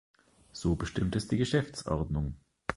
So bestimmt es die Geschäftsordnung.